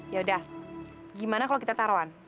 yaudah gimana kalau kita taruhan